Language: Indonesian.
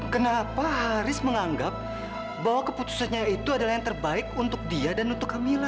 kenapa haris menganggap bahwa keputusannya itu adalah yang terbaik untuk dia dan untuk kemila